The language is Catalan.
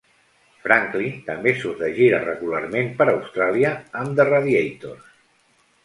Franklin també surt de gira regularment per Austràlia amb The Radiators.